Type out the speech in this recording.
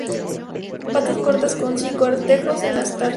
Patas cortas, con cinco artejos en los tarsos.